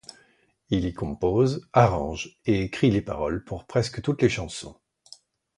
Il y compose, arrange et écrit les paroles pour presque toutes les chansons.